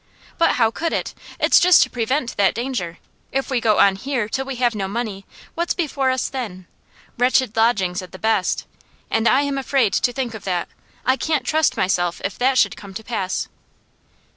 'But how could it? It's just to prevent that danger. If we go on here till we have no money what's before us then? Wretched lodgings at the best. And I am afraid to think of that. I can't trust myself if that should come to pass.